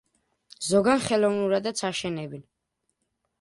ზოგან ხელოვნურადაც აშენებენ.